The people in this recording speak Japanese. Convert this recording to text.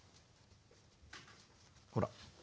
ほら。